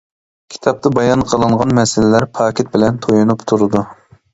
كىتابتا بايان قىلىنغان مەسىلىلەر پاكىت بىلەن تويۇنۇپ تۇرىدۇ.